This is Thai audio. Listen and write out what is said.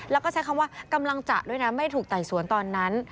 แล้วก็ใช้คำว่ากำลังจะด้วยนะไม่ถูกไต่สวนตอนนั้น